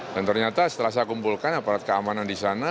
ternyata setelah saya kumpulkan aparat keamanan di sana